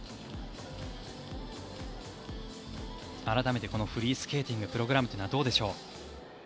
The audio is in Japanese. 改めてこのフリースケーティングのプログラムはどうでしょう。